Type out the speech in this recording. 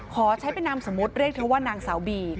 ขอใช้เป็นนามสมมุติเรียกเธอว่านางสาวบี